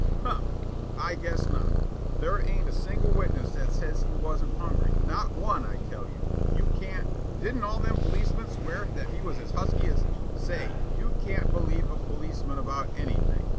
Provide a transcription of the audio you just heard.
Humph! I guess not. There ain't a single witness that says he wasn't hungry not one, I tell you. You can't " "Didn't all them policemen swear that he was as husky as " "Say, you can't believe a policeman about anything.